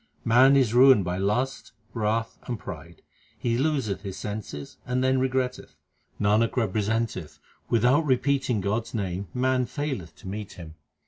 Man is ruined by lust, wrath, and pride ; he loseth his senses and then regretteth. Nanak representeth without repeating God s name man faileth to meet Him.